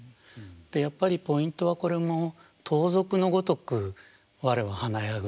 やっぱりポイントはこれも「盗賊のごとくわれは華やぐ」ですかね。